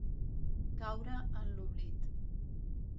Caure en l'oblit.